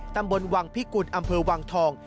ตำบลวังพิกุลอำเภอวังทอง